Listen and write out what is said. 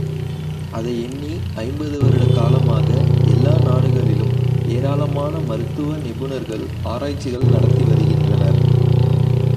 அதை எண்ணி ஐம்பது வருட காலமாக எல்லா நாடுகளிலும் ஏராளமான மருத்துவ நிபுணர்கள் ஆராய்ச்சிகள் நடத்தி வருகின்றனர்.